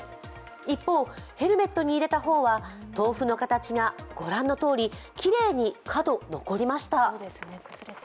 一方、ヘルメットに入れた方は豆腐の形がご覧のとおり、きれいに角、残りました。